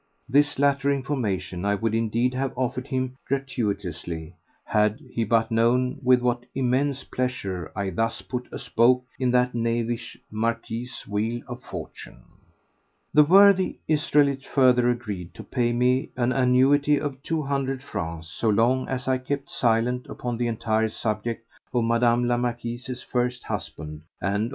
This latter information I would indeed have offered him gratuitously had he but known with what immense pleasure I thus put a spoke in that knavish Marquis's wheel of fortune. The worthy Israelite further agreed to pay me an annuity of two hundred francs so long as I kept silent upon the entire subject of Mme. la Marquise's first husband and of M.